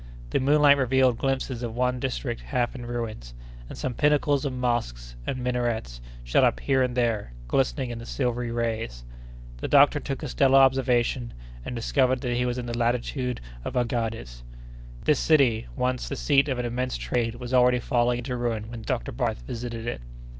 The moonlight revealed glimpses of one district half in ruins; and some pinnacles of mosques and minarets shot up here and there, glistening in the silvery rays. The doctor took a stellar observation, and discovered that he was in the latitude of Aghades. This city, once the seat of an immense trade, was already falling into ruin when Dr. Barth visited it.